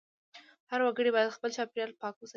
هر وګړی باید خپل چاپېریال پاک وساتي.